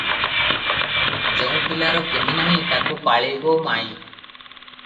ଯେଉଁ ପିଲାର କେହି ନାହିଁ, ତାକୁ ପାଳିବ ମାଇଁ!